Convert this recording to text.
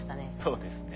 そうですね。